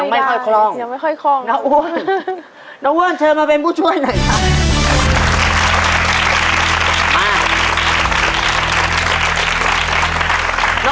ไม่ค่อยคล่องยังไม่ค่อยคล่องน้าอ้วนน้องอ้วนเชิญมาเป็นผู้ช่วยหน่อยครับ